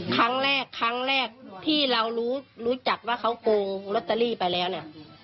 ครั้งแรกครั้งแรกที่เรารู้จักว่าเขาโกงลอตเตอรี่ไปแล้วเนี่ย